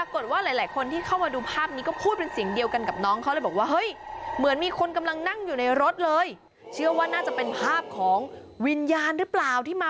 ก็เลยเอาภาพนี้ไปโพสต์ลงในโซเชียล